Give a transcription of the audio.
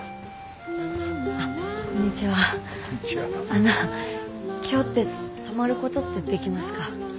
あの今日って泊まることってできますか？